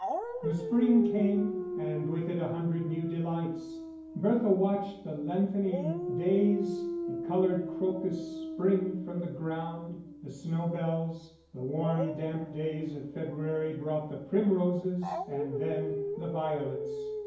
The spring came, and with it a hundred new delights; Bertha watched the lengthening days, the coloured crocus spring from the ground, the snowbells; the warm damp days of February brought the primroses and then the violets.